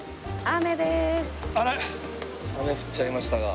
雨降っちゃいましたが。